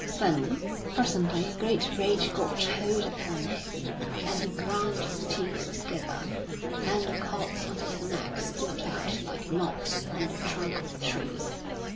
Then, presently a great rage got hold upon him, and he ground his teeth together, and the cords on his neck stood out like knots on the trunk of a tree.